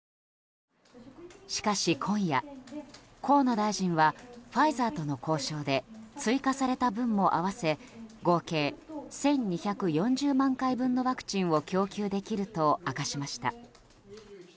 しかし今夜、河野大臣はファイザーとの交渉で追加された分も合わせ合計１２４０万回分のワクチンを供給できると明かしました。